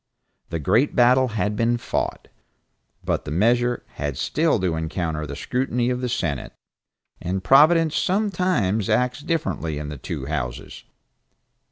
The great battle had been fought, but the measure had still to encounter the scrutiny of the Senate, and Providence sometimes acts differently in the two Houses.